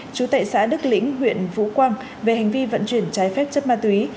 chú tệ xã đức lĩnh huyện vũ quang về hành vi vận chuyển trái phép chất ma túy